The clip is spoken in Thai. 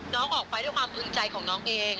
น้องออกไปด้วยความพึงใจของน้องเอง